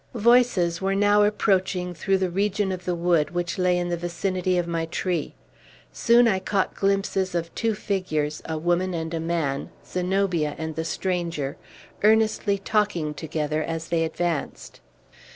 Voices were now approaching through the region of the wood which lay in the vicinity of my tree. Soon I caught glimpses of two figures a woman and a man Zenobia and the stranger earnestly talking together as they advanced.